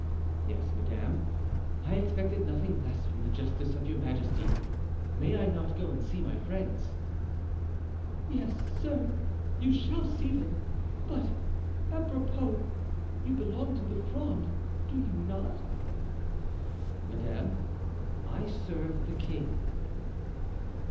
"Yes, madame, I expected nothing less from the justice of your majesty. May I not go and see my friends?" "Yes, sir, you shall see them. But, apropos, you belong to the Fronde, do you not?" "Madame, I serve the king."